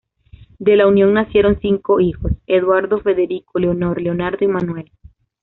De la unión nacieron cinco hijos: Eduardo, Federico, Leonor, Leonardo y Manuel.